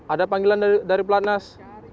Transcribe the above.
ada panggilan dari popnas